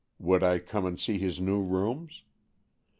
Would I come and see his new rooms?